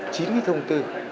chính thông tư